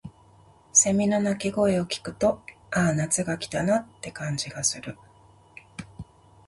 蝉の鳴き声を聞くと、「ああ、夏が来たな」って感じがする。